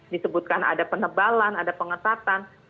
disebutkan ada penebalan ada pengetatan